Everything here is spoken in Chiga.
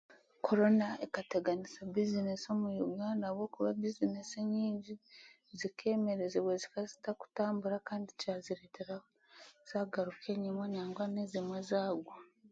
Korona ekateganisa bizineesi omu Uganda ahabwokuba bizineesi enyingi zikeemerezibwa zikaazitakutambura kandi kyazireeta zaaguruka enyima nangwa n'ezimwe zaagwa